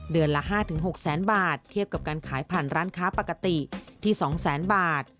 ละ๕๖แสนบาทเทียบกับการขายผ่านร้านค้าปกติที่๒แสนบาท